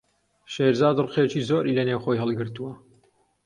شێرزاد ڕقێکی زۆری لەنێو خۆی هەڵگرتووە.